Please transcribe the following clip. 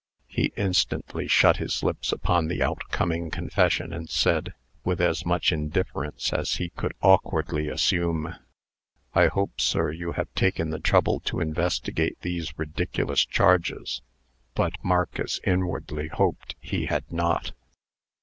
He instantly shut his lips upon the outcoming confession, and said, with as much indifference as he could awkwardly assume: "I hope, sir, you have taken the trouble to investigate these ridiculous charges." But Marcus inwardly hoped he had not.